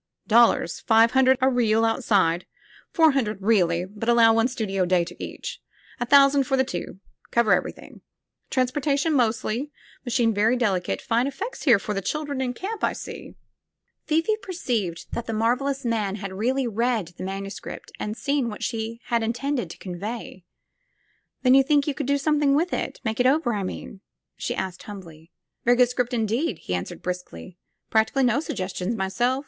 "Dollars. Five hundred a reel, outside. Four hun dred, really, but allow one studio day to each. A thousand for the two — cover everything. Transportation mostI3^ ]).Iachine very delicate. Fine effects here for the children in camp, I see." 185 SQUARE PEGGY Fifi perceived that the marvelous man had really read the manuscript and seen what she had intended to con vey. Then you think you could do something with it — ^make it over, I mean?" she asked humbly. Very good 'script, indeed," he answered briskly, practically no suggestions, myself.